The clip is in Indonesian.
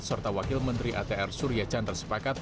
serta wakil menteri atr surya chandrasepakat